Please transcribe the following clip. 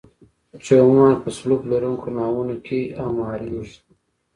چې عموما په سلوب لرونکو ناوونو کې اعماریږي.